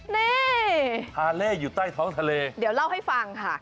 นี่พาเล่อยู่ใต้ท้องทะเลเดี๋ยวเล่าให้ฟังค่ะ